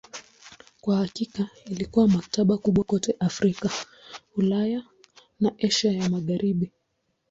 Kwa hakika ilikuwa maktaba kubwa kote Afrika, Ulaya na Asia ya Magharibi.